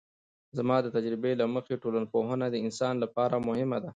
زما د تجربې له مخې ټولنپوهنه د انسان لپاره مهمه ده.